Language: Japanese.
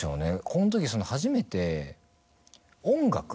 このとき初めて音楽